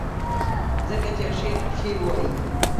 ځکه چې يو شعر کښې وائي :